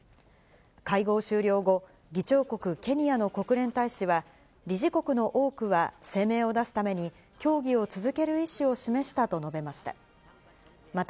会合終了後、議長国、ケニアの国連大使は、理事国の多くは声明を出すために、協議を続ける意思を示したと述べました。